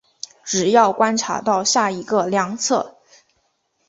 只要观察到下一个量测。